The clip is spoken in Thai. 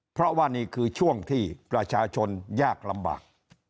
เพราะว่านี่คือช่วงที่ประชาชนยากลำบาก